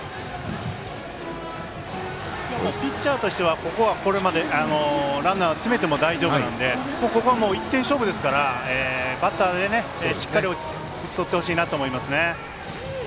ピッチャーとしてここは、これまで詰めても大丈夫なのでここは１点勝負ですからバッターをしっかり打ち取ってほしいなと思いますね。